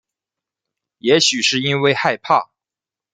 也许是因为害怕